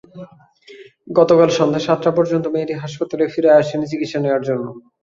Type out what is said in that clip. গতকাল সন্ধ্যা সাতটা পর্যন্ত মেয়েটি হাসপাতালে ফিরে আসেনি চিকিৎসা নেওয়ার জন্য।